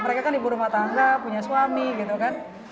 mereka kan ibu rumah tangga punya suami gitu kan